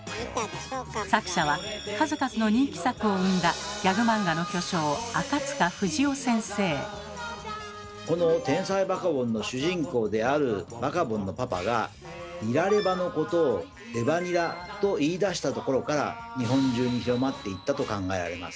作者は数々の人気作を生んだこの「天才バカボン」の主人公であるバカボンのパパが「ニラレバ」のことを「レバニラ」と言いだしたところから日本中に広まっていったと考えられます。